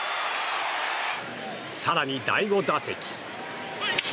更に、第５打席。